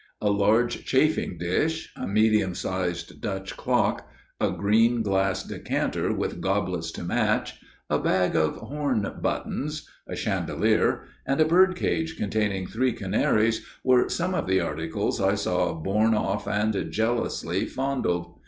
A large chafing dish, a medium sized Dutch clock, a green glass decanter with goblets to match, a bag of horn buttons, a chandelier, and a bird cage containing three canaries were some of the articles I saw borne off and jealously fondled.